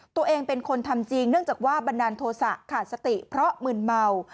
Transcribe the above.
ตัวเองเป็นคนทำจริงเนื่องจากว่าบันดาลโทษะขาดสติเพราะมึนเมา